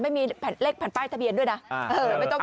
ไม่มีแผ่นเลขแผ่นป้ายทะเบียนด้วยนะไม่ต้องต่าง